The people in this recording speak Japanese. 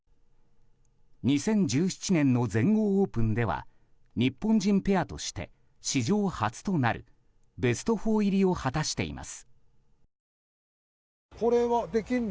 ２０１７年の全豪オープンでは日本人ペアとして史上初となるベスト４入りを果たしています。